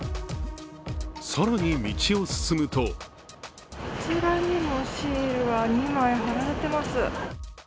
更に道を進むとこちらにもシールが２枚貼られています。